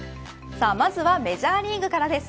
まずはメジャーリーグからです。